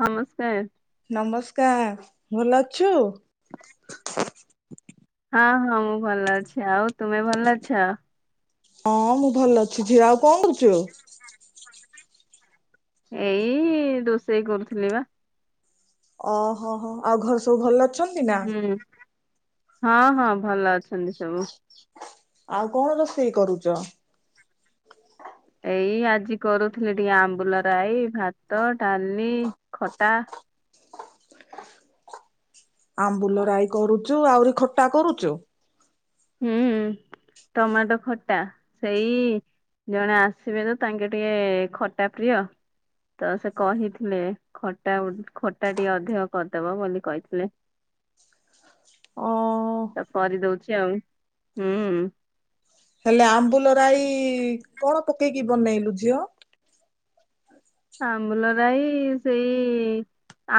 ନମସ୍କାର ନମସ୍କାର। ଭଲ ଅଛୁ? ହଁ ହଁ ମୁଁ ଭଲ ଅଛି ଆଉ ତୁମେ ଭଲ ଅଛ? ହଁ ମୁଁ ଭଲ ଅଛି ଝିଅ ଆଉ କଣ କରୁଛୁ? ଏଇ ଦୋଷେଇ କରୁଥିଲି ବା ଓହୋ ହୋ ଆଉ ଘର ସବୁ ଭଲ ଅ ହୁଁ ହଁ ହଁ ଭଲ ଅଛନ୍ତି ସବୁ। ଆଉ କଣ ରୋଷେଇ କରୁଛ? ଏଇ ଆଜି କରୁଥିଲି ଟିକେ ଆମ୍ବୁଲ ରାଇ, ଭାତ, ଡାଲି, ଖଟା ଆମ୍ବୁଲ ରାଇ କରୁଛୁ ଆହୁରି ଖଟା କରୁଛୁ? ହୁଁ ଟମାଟୋ ଖଟା ସେଇ ଜଣେ ଆସିବେ ତ ତାଙ୍କେ ଟିକେ ଖଟା ପ୍ରିୟ। ତ ସେ କହିଥିଲେ ଖଟା ଖଟା ଟିକେ ଅଧିକ କରିଦବ ବୋଲି କହିଥିଲେ। ଓ ତ କରିଦଉଛି ଆଉ ହୁଁ। ହେଲେ ଆମ୍ବୁଲ ରାଇ କଣ ପକେଇକି ବନେଇଲୁ ଝିଅ? ଆମ୍ବୁଲରାଇ ସେଇ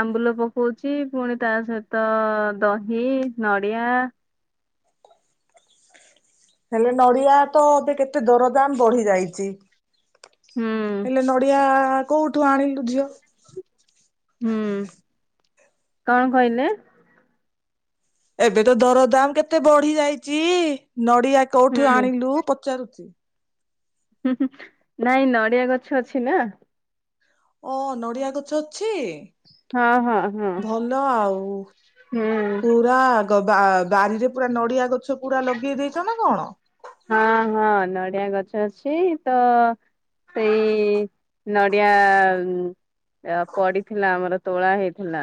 ଆମ୍ବୁଲ ପକଉଛି ପୁଣି ତା ସହିତ ଦହି ନଡିଆ ହେଲେ ନଡିଆ ତ ଏବେ କେତେ ଦରଦାମ ବଢି ଯାଇଛି। ହୁଁ ହେଲେ ନଡିଆ କୋଉଠୁ ଆଣିଲୁ ଝିଅ? ହୁଁ କଣ କହିଲେ? ଏବେ ତ ଦରଦାମ କେତେ ବଢି ଯାଇଛି? ନଡ଼ିଆ ହୁଁ କେଉଁଠୁ ହୁଁ ଆଣିଲୁ ପଚାରୁଛି? ନାଇଁ ନଡ଼ିଆ ଗଛ ଅଛି ନା। ଓ ନଡିଆ ଗଛ ଅଛି? ହଁ ହଁ ହଁ ଭଲ ଆଉ ହୁଁ ପୁରା ବା ବାରିରେ ପୁରା ନଡିଆ ଗଛ ପୁରା ଲଗେଇ ଦେଇଛ ନା କଣ? ହଁ ହଁ ନଡିଆ ଗଛ ଅଛି ତ ସେଇ ନଡ଼ିଆ ପଡିଥିଲା ଆମର ତୋଳା ହେଇଥିଲା।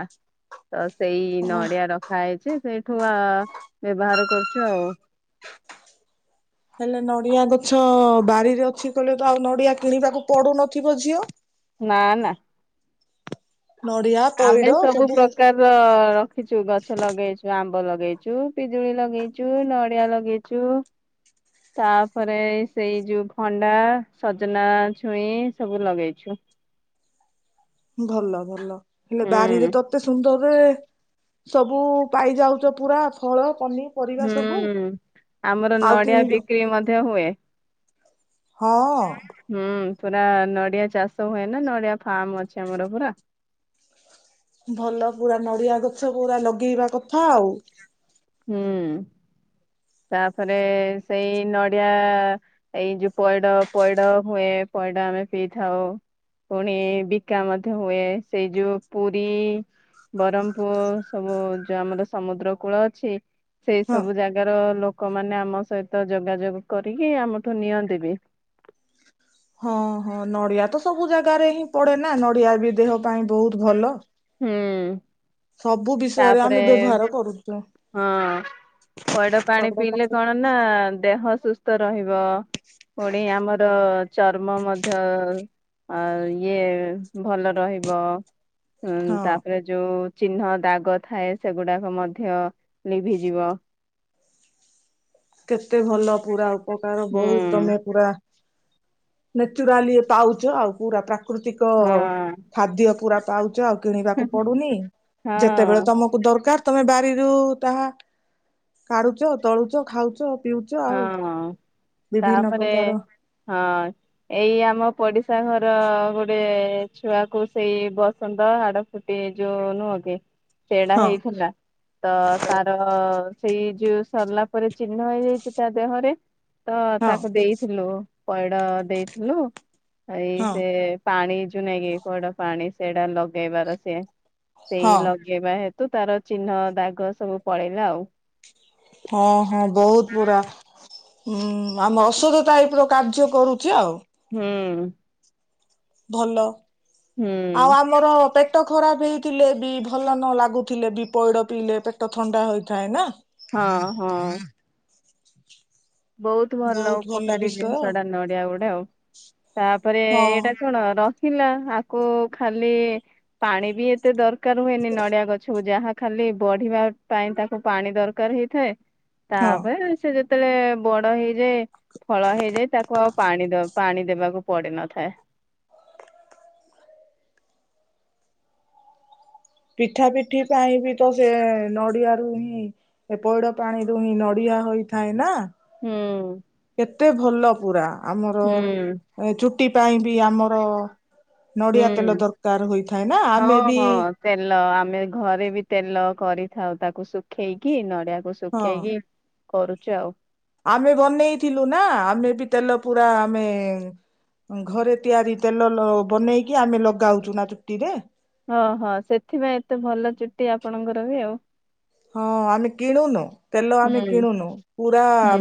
ତ ସେଇ ହଁ। ନଡିଆ ରଖା ହେଇଛି ସେଇଠୁ ଆ ବ୍ୟବହାର କରୁଛୁ ଆଉ। ହେଲେ ନଡିଆ ଗଛ ବାରିରେ ଅଛି କହିଲେ ତ ଆଉ ନଡିଆ କିଣିବାକୁ ପଡୁନଥିବ ଝିଅ? ନା ନା। ନଡିଆ ଆମେ ପଇଡ ସବୁ ସେ ପ୍ରକାରର ରଖିଛୁ ଗଛ ଲଗେଇଛୁ ଆମ୍ବ ଲ ଲଗେଇଛୁ, ପିଜୁଳି ଲଗେଇଛୁ, ନଡିଆ ଲଗେଇଛୁ। ତାପରେ ସେଇ ଯୋଉ ଭଣ୍ଡା, ସଜନା ଛୁଇଁ ସବୁ ଲଗେଇଛୁ। ଭଲ ଭଲ ହେଲେ ବାରିରେ ହୁଁ ତତେ ସୁନ୍ଦର ସବୁ ପାଇଯାଉଛ ପୁରା ଫଳ ପନିପରିବା ସବୁ ହୁଁ ଆମର ଆଉ ନଡିଆ କିଣି ବିକ୍ରି ମଧ୍ୟ ହୁଏ ହଁ। ହୁଁ ପୁରା ନଡିଆ ଚାଷ ହୁଏ ନା ନଡିଆ ଫାର୍ମ ଅଛି ଆମର ପୁରା। ଭଲ ପୁରା ନଡିଆ ଗଛ ପୁରା ଲଗେଇବା କଥା ଆଉ ହୁଁ। ତାପରେ ସେଇ ନଡିଆ ଏଇ ଯୋଉ ପଇଡ ପଇଡ ହୁଏ ପଇଡ ଆମେ ପିଇଥାଉ। ପୁଣି ବିକା ମଧ୍ୟ ହୁଏ ସେଇ ଯୋଉ ପୁରୀ ବରହ୍ମପୁରୁ ସବୁ ଯଉ ଆମର ସମୁଦ୍ର କୂଳ ଅଛି ସେଇ ହଁ। ସବୁ ଜାଗାର ଲୋକ ଲୋକମାନୋନ ଆମ ସହିତ ଯୋଗାଯୋଗ କରିକି ଆମଠୁ ନିଅନ୍ତି ବି ହଁ ହଁ ନଡିଆ ତ ସବୁ ଜାଗାରେ ହିଁ ପଡେନା ନଡିଆ ବି ଦେହ ପାଇଁ ବହୁତ ଭଲ ହୁଁ ସବୁ ବିଷୟରେ ତାପରେ ଆମେ ବ୍ୟବହାର କରୁଛୁ। ହଁ ପଇଡା ପାଣି ପିଇଲେ କଣ ନା ଦେହ ସୁସ୍ଥ ରହିବ। ପୁଣି ଆମର ଚର୍ମ ମଧ୍ୟ ଆ ଇଏ ଭଲ ରହିବ। ଉ ହଁ ତାପରେ ଯୋଉ ଚିହ୍ନ ଦାଗ ଥାଏ ସେଗୁଡାକ ମଧ୍ୟ ଲିଭିଯିବ କେତେ ଭଲ ପୁରା ଉପକାର ବହୁତ ହୁଁ। ତମେ ପୁରା ନଚୁରାଲି ପାଉଛ ଆଉ ପୁରା ପ୍ରାକୃତିକ ହଁ ଖାଦ୍ୟ ପୁରା ପାଉଛ ଆଉ କିଣିବାକୁ ପଡୁନି ଯେତେବେଳେ ହଁ ତମକୁ ଦରକାର ତମେ ବାରି ଯଉ ତାହା କାଢୁଛ ତଳୁଛ ଖାଉଛ ପିଉଛ ଆଉ ହଁ ବିଭିନ୍ନ ତାପରେ ପ୍ରକାର ହଁ ଏଇ ଆମ ପଡିଶା ଘର ଗୋଟେ ଛୁଆ କ ସେଇ ବସନ୍ତ ଆାଡ ଫୁଟେ ଯୋ ନୁ ଅ କି? ସେଡା ହଁ ହେଇଥିଲା ତ ତାର ସେଇ ଯୋଉ ସରିଲା ପରେ ଚିହ୍ନ ହେଇଯାଇଛି ତା ଦେହରେ ତ ହଁ ତାକୁ ଦେଇଥିଲୁ ପଇଡ ଦେଇଥିଲୁ ଏଇ ହଁ ସେ ପାଣି ନେଇକି କୁଆଡ ପାଣି ସେଇଟା ଲଗେଇବାର ସେଏ ହଁ ସେଇ ଲଗେଇବା ହେ ତୁ ତାର ଚିହ୍ନ ଦାଗ ସବୁ ପଳେଇଲା ଆଉ ହଁ ହଁ ବହୁତ ପୁରା ହୁଁ ଆମେ ଔଷଧ ଟାଇପ ର କାର୍ଯ୍ୟ କରୁଛ ଆଉ ହୁଁ ଭଲ ଆଉ ହୁଁ। ଆମର ପେଟ ଖରାପ ହେଇ ଥିଲେ ବି ଭଲ ନ ଲାଗୁଥିଲେ ବି ପଇଡ଼ ପିଇଲେ ପେଟ ଥଣ୍ଡା ହୋଇଥାଏ ନା। ହଁ ହଁ ବହୁତ ଭଲ ବହୁତ ଉପକାରୀ ବିଷୟ ଜିନିଷଟା ନଡିଆ ଗୋଟେ ଆଉ ତାପରେ ହଁ ଏଇଟା ଶୁଣ ର ଥିଲା ଆକୁ ଖାଲି ପାଣି ବି ଏତେ ଦରକାର ହୁଏନି ନଡିଆ ଗଛକୁ ଯାହା ଖାଲି ବଢିବା ପାଇଁ ତାକୁ ପାଣି ଦରକାର ହେଇଥାଏ, ହଁ ତାପରେ ସେ ଯେତେବେଳେ ବଡ ହେଇଯାଏ ଫଳ ହେଇଯାଏ। ତାକୁ ଆଉ ପାଣି ପାଣି ଦେବାକୁ ପଡିନଥାଏ ପିଠା ପିଠି ପାଇଁ ବି ତ ସେ ନଡିଆରୁ ହିଁ ପଇଡ ପାଣିରୁୁ ହିଁ ନଡିଆ ହୋଇଥାଏ ନା ହୁଁ ଏତେ ଭଲ ପୁରା ଆମର ହୁଁ ଛୁଟି ପାଇଁ ବି ଆମର ହୁଁ ନଡିଆ ତେଲ ଦରକାର ହୋଇଥାଏ ନା ହଁ ଆମେ ବି ହଁ ତେଲ ଆମେ ଘରେ ବି ତେଲ କରିଥାଉ ତାକୁ ଶୁଖେଇକି ନଡିଆକୁ ହଁ ଶୁଖେଇକି କରୁଛୁ ଆଉ ଆମେ ବନେଇଥିଲୁ ନା ଆମେ ବି ତେଲ ପୁରା ଆମେ ଘରେ ତିଆରି ତେଲ ବନେଇକି ଆମେ ଲଗାଉଛୁ ନା ଚୁଟିରେ। ଓଁହଁ ସେଥିପାଇଁ ଏତେ ଭଲ ଚୁଟି ଆପଣଙ୍କର ବି ଆଉ। ହଁ ଆମେ କିଣୁନୁ ତେଲ ହୁଁ ଆମେ କିଣୁନୁ ପୁରା ହୁଁ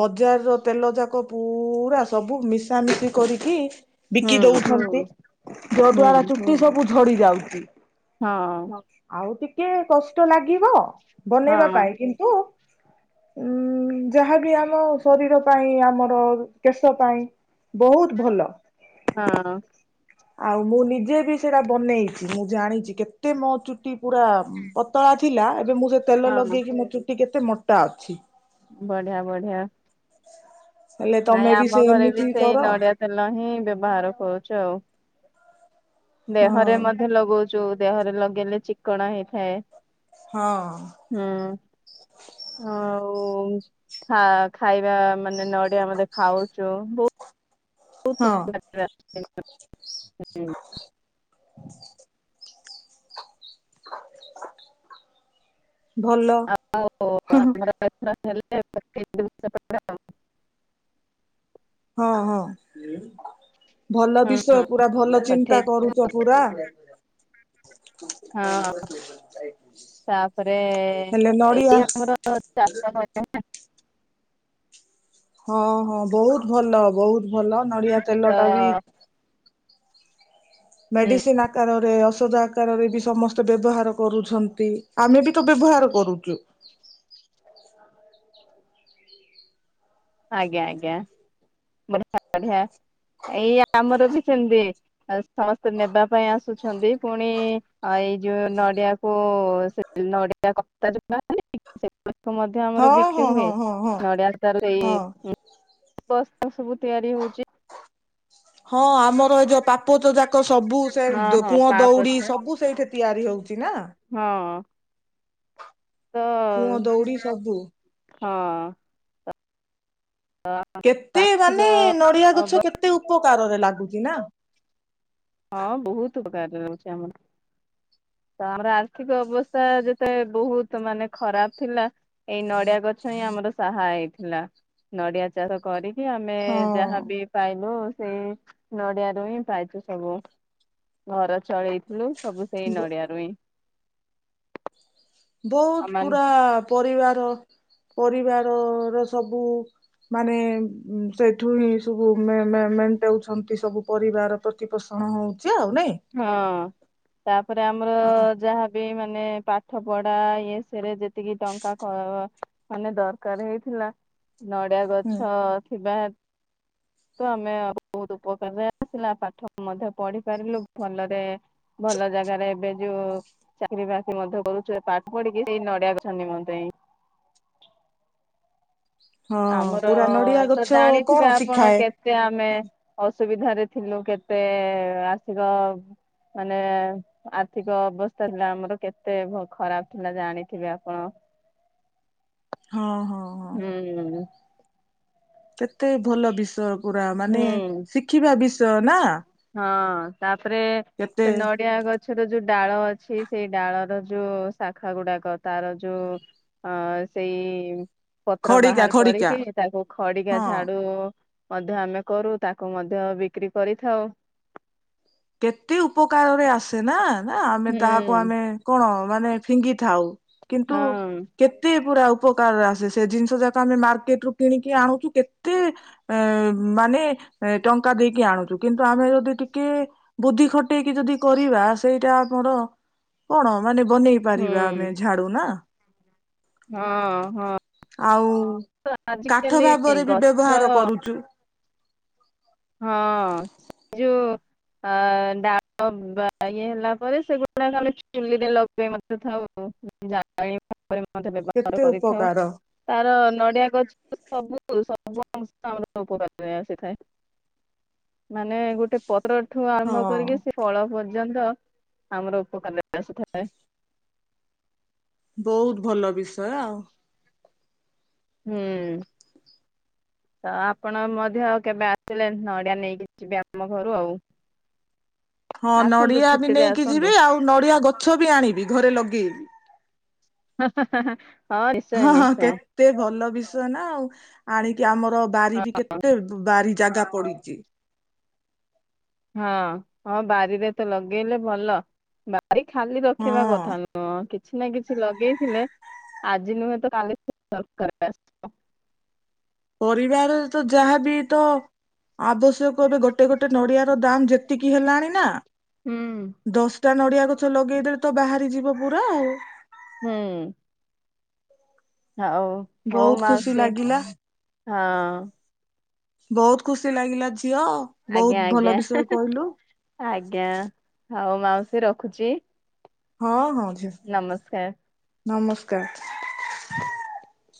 ବଜାର ର ତେଲ ତେଲ ଯାକ ପୁରା ସବୁ ମିଶାମିଶି କରିକି ବିକି ହୁଁ ଦଉଚନ୍ତି ହୁଁ। ଚୁଟି ସବୁ ଝଡି ଯାଉଚି। ହଁ ଆଉ ଟିକେ କଷ୍ଟ ଲାଗିବ ବନେଇବା ହଁ ପାଇଁ କିନ୍ତୁ ଉଁ [unintelligible] ଯାହାବି ଆମ ଶରୀର ପାଇଁ ଆମର କେଶ ପାଇଁ ବହୁତ ଭଲ। ହଁ। ଆଉ ମୁଁ ନିଜେ ବି ସେଇଟା ବନେଇଚି। ମୁଁ ଜାଣିଚି କେତେ ମୋ ଚୁଟି ପୁରା ପତଳା ଥିଲା ଏବେ ମୁଁ ସେ ତେଲ ହଁ ଲଗେଇକି ମୋ ଚୁଟି କେତେ ମୋଟା ଅଛି। ବଢିଆ ବଢିଆ। ହେଲେ ନାଇଁ ତମେ ବି ସେ ଆମ ଘରେ ବି ଏମିତି ସେଇ କର ନଡିଆ ତେଲ ହିଁ ବ୍ୟବହାର କରୁଚୁ ଆଉ। ହଁ ଦେହରେ ମଧ୍ୟ ଲଗଉଚୁ ଦେହରେ ଲଗେଇଲେ ଚିକ୍କଣ ହେଇଥାଏ। ହଁ ହୁଁ ହଁ। ଆଉ ଖା ଖାଇବା ମାନେ ନଡିଆ ମଧ୍ୟ ଖାଉଚୁ ବଉ ହଁ [unintelligible] ଭଲ [unintelligible] [unintelligible] ହଁ ହଁ। ଭଲ ହୁଁ ବିଷୟ ପୁରା ଭଲ ଚିନ୍ତା ପଠେଇଦେବୁ କରୁଚ ପୁରା [unintelligible] [unintelligible] ତାପରେ ହେଲେ ନଡିଆ ଏଇ। [unintelligible] ହଁ ହଁ ବହୁତ ଭଲ ବହୁତ ଭଲ ନଡିଆ ତେଲ ଟା ବି ହୁଁ ମେଡିସିନ୍ ଆକାରରେ ଆସ୍ ଔଷଧ ଆକାରରେ ବି ସମସ୍ତେ ବ୍ୟବହାର କରୁଛନ୍ତି ଆମେ ବି ତ ବ୍ୟବହାର କରୁଚୁ। [unintelligible] ଆଜ୍ଞା ଆଜ୍ଞା। [unintelligible] ଏଇ ଆମର ବି ସେମିତି ସମସ୍ତେ ନେବା ପାଇଁ ଆସୁଛନ୍ତି, ପୁଣି ଏ ଏଇ ଯୋଉ ନଡିଆକୁ ସେ ନଡିଆ କତା। [unintelligible] ମଧ୍ୟ ଆମର ହଁ ବିକ୍ରି ହଁ ହୁଏ ହଁ ହଁ ହଁ। ନଡ଼ିଆ ତାର ଏଇ ହଁ ଆ ସବୁ ତିଆରି ହଉଚି। ହଁ ଆମର ଏ ଯୋଉ ପାପଚ ଯାକ ସବୁ ସେ ହଁ ହଁ କୂଅ ପା ଦଉଡି ପୋଛା ସବୁ ସେଇଠି ତିଆରି ହଉଚି ନା। ଆ ହଁ ତ କୂଅ ଦଉଡି ସବୁ ହଁ। କେତେ ଆର୍ଥିକ ମାନେ ନଡିଆ ଗଛ ଅବ- କେତେ ଉପକାରରେ ଲାଗୁଚି ନା। ହଁ ବହୁତ ଉପକାରରେ ରହୁଚି ଆମର। ତ ଆମର ଆର୍ଥିକ ଅବସ୍ଥା ଯେତେ ବହୁତ ମାନେ ଖରାପ ଥିଲା ଏଇ ନଡିଆ ଗଛ ହିଁ ଆମର ସାହା ହେଇଥିଲା ନଡିଆ ଚାଷ କରି କି ଆମେ ହଁ ଯାହାବି ପାଇଲୁ ସେଇ ନଡିଆରୁ ହିଁ ପାଇଚୁ। ସବୁ ଘର ଚଳେଇଥିଲୁ ସବୁ ସେଇ ବ ନଡିଆରୁ ହିଁ ଆମ ବହୁତ ପୁରା ମାନେ ସେଠୁ ହିଁ ସବୁ ମେ ମେ ମେଣ୍ଟଉଛନ୍ତି ସବୁ ପରିବାର ପ୍ରତିପୋଷଣ ହଉ ହଁ ତାପରେ ଆମର ଯାହାବି ମା ମାନେ ପାଠପଢା ଇ ସେରେ ଯେତିକି ଟଙ୍କା ମାନେ ଦରକାର ହେଇଥିଲା ନଡିଆ ଗଛ ଥିବା ତ ଆମେ ବହୁତ ଉପକାରରେ ଆସିଲା ପାଠ ମଧ୍ୟ ପଢି ପାରିଲୁ ଭଲରେ ଭଲ ଜାଗାରେ ଏବେ ଯୋଉ ଚାକିରୀ ବାକିରି ମଧ୍ୟ କରୁଚୁ ପାଠ ପଢିକି ସେଇ ନଡିଆ ଗଛ ନିମନ୍ତେ। [unintelligible] ହଁ ଆମର ପୁରା ନଡିଆ ତ ଗଛ ଜାଣିଥିବେ କଣ ଆପଣ ଶିଖାଏ କେତେ ଆମେ ଅସ୍ ସୁବିଧାରେ ଥିଲୁ କେତେ ଆସିବ ମାନେ ଆର୍ଥିକ ଅବସ୍ଥା ଥିଲା ଆମର କେତେ ଖରାପ ଥିଲା ଜାଣିଥିବେ ଆପଣ। [unintelligible] ହଁ ହଁ। ହଁ ହୁଁ। କେତେ ଭଲ ବିଷୟ ପୁରା ମାନେ ହୁଁ। ଶିଖିବା ବିଷୟ ନା। ହଁ ତାପରେ କେତେ ସେ ନଡିଆ ଗଛର ଯୋଉ ଡାଳ ଅଛି ସେଇ ଡାଳର ଯୋଉ ଶାଖା ଗୁଡାକ ତାର ଯୋଉ ଅ ସେଇ ପତ୍ର ଖଡିକା ବାହାର ଖଡିକା କରିକି ତାକୁ ଖଡିକା ହଁ ଝାଡୁ ମଧ୍ୟ ଆମେ କରୁ ତାକୁ ମଧ୍ୟ ବିକ୍ରି କରିଥାଉ। କେତେ ଉପକାରରେ ଆସେ ନା ନା ଆମେ ହୁଁ ତାହାକୁ ଆମେ କଣ ମାନେ ଫିଙ୍ଗି ଥାଉ କିନ୍ତୁ ହଁ କେତେ ପୁରା ଉପକାରରେ ଆସେ ସେ ଜିନିଷ ଯାକ ଆମେ ମାର୍କେଟ ରୁ କିଣିକି ଆଣୁଚୁ କେତେ ଏଁ ମା ମାନେ ଟଙ୍କା ଦେଇକି ଆଣୁଚୁ କିନ୍ତୁ ଆମେ ଯଦି ଟିକେ ବୁଦ୍ଧି ଖଟେଇକି ଯଦି କରିବା ସେଇଟା ଆମର କଣ ମାନେ ବନେଇ ପାରିବା ହୁଁ ଆମେ ଝାଡୁ ନା ହଁ ହଁ ଆଉ କାଠ ଆଜିିକାଲି ଭାବରେ ବି ଗଛ ବ୍ୟବହାର କରୁଛୁ ହଁ ସେ ଯଉ ଆ ଡାଳ ଵା ଇଏ ହେଲା ପରେ ସେଗୁଡାକ ଆମେ ଚୁଲିରେ ଲଗେଇ ମତେ ଥାଉ। ଜାଲେଣି ଭାବରେ ମଧ୍ୟ ବ୍ୟବହାର କେତେ କରିଥାଉ ଉପକାର ତାର ନଡିଆ ଗଛ ସବୁ ସବୁ ଅଂଶ ଆମର ଉପକାରରେ ଆସିଥାଏ। ମାନେ ଗୋଟେ ପତ୍ର ଠୁ ଆରମ୍ଭ କରିକି ହଁ। ସେ ଫଳ ପ ର୍ଯ୍ୟନ୍ତ ଆମର ଉପକାରରେ ଆସିଥାଏ ବହୁତ ଭଲ ବିଷୟ ଆଉ ହୁଁ ତ ଆପଣ ମଧ୍ୟ କେବେ ଆସିଲେ ନଡିଆ ନେଇକି ଯିବେ ଆମ ଘରୁ ଆଉ ହଁ ଆସନ୍ତୁ ନଡିଆ ବି ଛୁଟିରେ ନେଇକି ଆସନ୍ତୁ ଯିବି ଆଉ ନଡିଆ ଗଛ ବି ଆଣିବି ଘରେ ଲଗେଇବି। [unintelligible] ହଁ ହଁ ନିଶ୍ଚୟ। କେତେ ଭଲ ବି ଆସିବ ନା ଆଉ ଆଣିକି ଆମର ବାରି ହଁ ବି କେତେ ବାରି ଜାଗା ପଡିଚି ହଁ ହଁ ବାରିରେ ତ ଲଗେଇଲେ ଭଲ ଵା ରି ଖାଲି ରଖିବା ହଁ। କଥା ନୁହଁ କିଛି ନା କିଛି ଲଗେଇଥିଲେ ଆଜି ନୁହେଁ ତ କାଲି ସେ ଦରକାରରେ ଆସିବ। ପରିବାରରେ ତ ଯାହାବି ତ ଆବଶ୍ୟକ ଏବେ ଗୋଟେ ଗୋଟେ ନଡିଆ ର ଦାମ ଯେତିକି ହେଲାଣି ନା ହୁଁ ଦଶଟା ନଡିଆ ଗଛ ଲଗେଇଦେଲେ ତ ବାହାରି ଯିବ ପୁରା ଆଉ ହୁଁ ହଉ ହଉ ବହୁତ ଖୁସି ମାଉସୀ ଲାଗିଲା ହଁ ବହୁତ ଖୁସି ଲାଗିଲା ଝିଅ ଆଜ୍ଞା ବହୁତ ଆଜ୍ଞା ଭଲ ବିଷୟ କହିଲୁ। ଆଉ ମାଉସୀ ରଖୁଚି ହଁ ହଁ ଝିଅ ନମସ୍କାର ନମସ୍କାର